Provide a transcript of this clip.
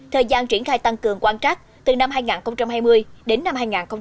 thời gian triển khai tăng cường quan trắc từ năm hai nghìn hai mươi đến năm hai nghìn hai mươi hai